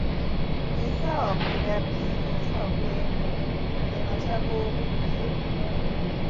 Essaawa kkumi nabbiri okutuuka ku emu , ge makya g'obudde.